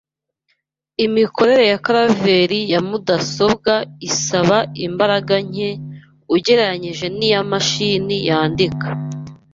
Imikorere ya clavier ya mudasobwa isaba imbaraga nke ugereranije niyimashini yandika